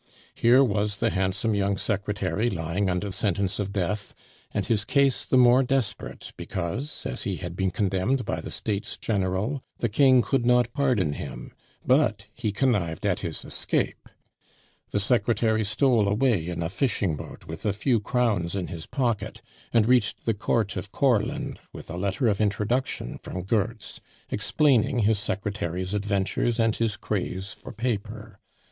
Here was the handsome young secretary lying under sentence of death, and his case the more desperate because, as he had been condemned by the States General, the King could not pardon him, but he connived at his escape. The secretary stole away in a fishing boat with a few crowns in his pocket, and reached the court of Courland with a letter of introduction from Goertz, explaining his secretary's adventures and his craze for paper.